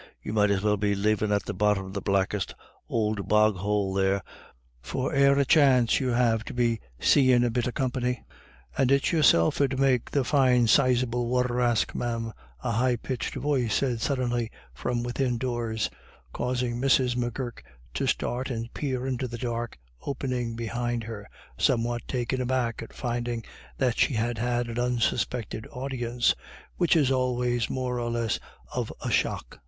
You might as well be livin' at the bottom of the blackest ould boghoule there, for e'er a chance you have to be seein' a bit of company." "And it's yourself 'ud make the fine sizeable waterask, ma'am," a high pitched voice said suddenly from within doors, causing Mrs. M'Gurk to start and peer into the dark opening behind her, somewhat taken aback at finding that she had had an unsuspected audience, which is always more or less of a shock.